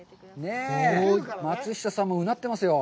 松下さんも、うなってますよ。